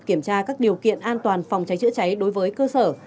kiểm tra các điều kiện an toàn phòng cháy chữa cháy đối với cơ sở